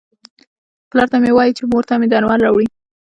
پلار ته مې وایه چې مور ته مې درمل راوړي.